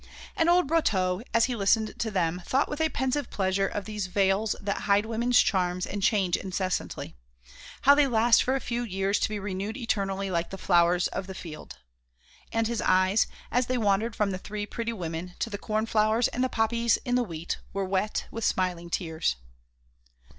And old Brotteaux, as he listened to them, thought with a pensive pleasure of these veils that hide women's charms and change incessantly, how they last for a few years to be renewed eternally like the flowers of the field. And his eyes, as they wandered from the three pretty women to the cornflowers and the poppies in the wheat, were wet with smiling tears.